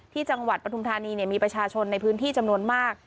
จังหวัดปฐุมธานีมีประชาชนในพื้นที่จำนวนมาก